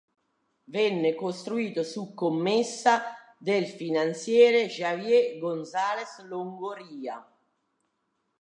Venne costruito su commessa del finanziere Javier González Longoria.